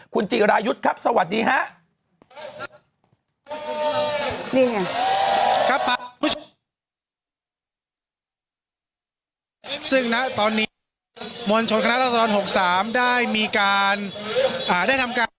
คุณจิรายุทธ์ครับสวัสดีครับ